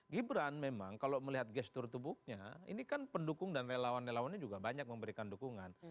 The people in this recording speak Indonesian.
gibran memang kalau melihat gestur tubuhnya ini kan pendukung dan relawan relawannya juga banyak memberikan dukungan